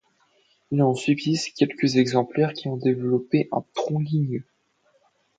Il en subsiste quelques exemplaires qui ont développé un tronc ligneux.